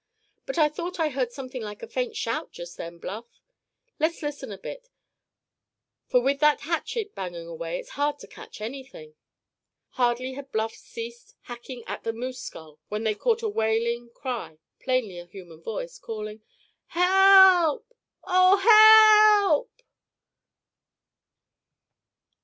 "But I thought I heard something like a faint shout just then, Bluff; let's listen a bit; for with that hatchet banging away it's hard to catch anything." Hardly had Bluff ceased hacking at the moose skull when they caught a wailing cry, plainly a human voice, calling: "Help, oh, help!"